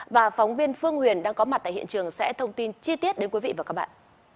và phóng viên phương huyền đang có mặt tại hiện trường sẽ thông tin chi tiết đến quý vị và các bạn